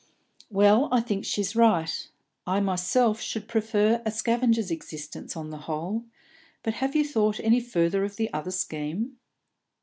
"Well, I think she's right. I myself should prefer a scavenger's existence, on the whole. But have you thought any further of the other scheme?"